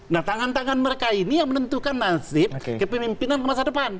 nah tangan tangan mereka ini yang menentukan nasib kepemimpinan ke masa depan